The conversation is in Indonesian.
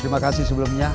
terima kasih sebelumnya